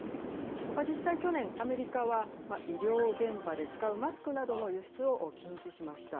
実際、去年、アメリカは医療現場で使うマスクなどの輸出を禁止しました。